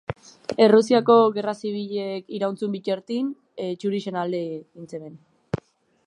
Errusiako Gerra Zibilak iraun zuen bitartean, zurien alde egin zuten.